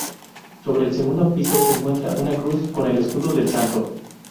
Sobre el segundo piso se encuentra una cruz con el escudo del santo.